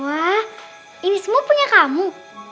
wah ini semua punya kamu